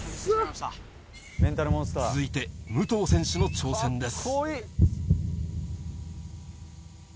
続いて武藤選手の挑戦です。